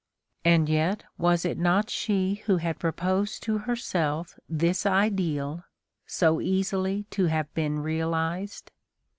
And yet was it not she who had proposed to herself this ideal, so easily to have been realized?